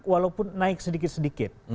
walaupun naik sedikit sedikit